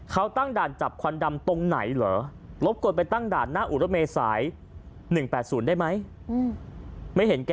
เขาตั้งด่านจับควันดำตรงไหนเหรอรบกวนไปตั้งด่านหน้าอู่รถเมษาย๑๘๐ได้ไหม